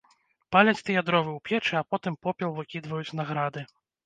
Паляць тыя дровы ў печы, а потым попел выкідваюць на грады.